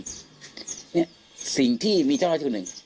เนี่ยสิ่งที่มีเจ้าหน้าที่หนึ่ง